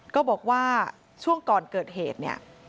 ก็บอกว่าช่วงก่อนเกิดเหตุเนี่ย